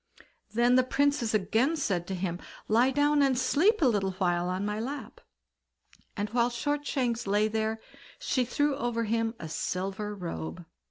Then the Princess said again to him, "Lie down and sleep a little while on my lap"; and while Shortshanks lay there, she threw over him a silver robe.